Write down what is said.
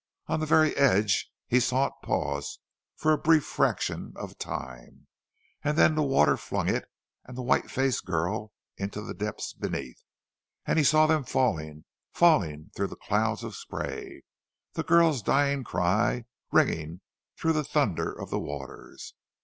On the very edge he saw it pause for a brief fraction of time and then the water flung it and the white faced girl into the depths beneath, and he saw them falling, falling through the clouds of spray, the girl's dying cry ringing through the thunder of the waters.